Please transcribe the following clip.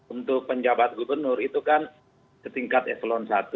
untuk penjabat gubernur itu kan ketingkat evalon satu